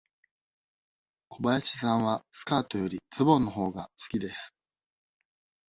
小林さんはスカートよりズボンのほうが好きです。